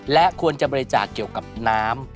และควรจะบริจาคเกี่ยวกับน้ำ